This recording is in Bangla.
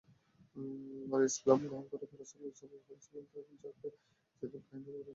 আর ইসলাম গ্রহণ করার পর রাসূলুল্লাহ সাল্লাল্লাহু আলাইহি ওয়াসাল্লাম তাকে যায়দুল খাইর নামে ডাকতেন।